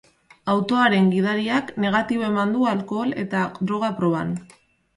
Autoaren gidariak negatibo eman du alkohol eta droga proban.